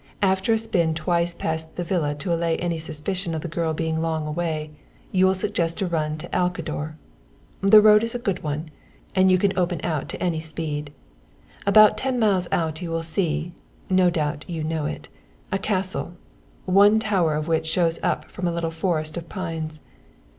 After a spin twice past the villa to allay any suspicion of the girl being long away, you will suggest a run to Alcador. The road is a good one, and you can open out to any speed. About ten miles out you will see no doubt you know it a castle, one tower of which shows up from a little forest of pines.